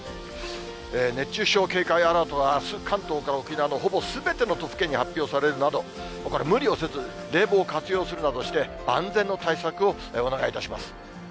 熱中症警戒アラートはあす、関東から沖縄のほぼすべての都府県に発表されるなど、これ、無理をせず、冷房を活用するなどして万全の対策をお願いいたします。